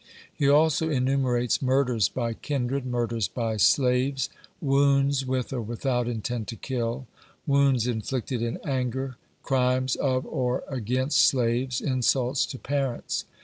He also enumerates murders by kindred, murders by slaves, wounds with or without intent to kill, wounds inflicted in anger, crimes of or against slaves, insults to parents.